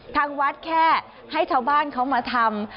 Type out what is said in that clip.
ทางวัดแค่ให้ชาวบ้านเขามาทำ